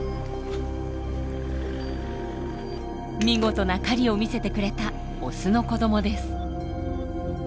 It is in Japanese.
見事な狩りを見せてくれたオスの子どもです。